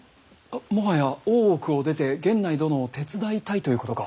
もはや大奥を出て源内殿を手伝いたいということか。